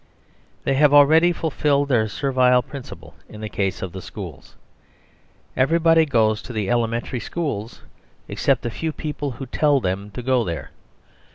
They have already fulfilled their servile principle in the case of the schools. Everyone goes to the Elementary Schools except the few people who tell them to go there.